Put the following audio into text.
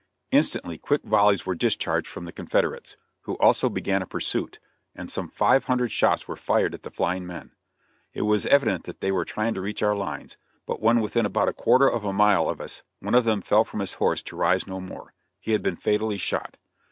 Instantly quick volleys were discharged from the Confederates, who also began a pursuit, and some five hundred shots were fired at the flying men. It was evident that they were trying to reach our lines, but when within about a quarter of a mile of us, one of them fell from his horse to rise no more. He had been fatally shot.